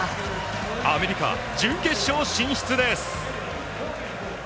アメリカ、準決勝進出です。